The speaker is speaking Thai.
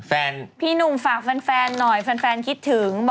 แฟนพี่นมฟ้าฟันแฟนหน่อยฟันแฟนคิดถึง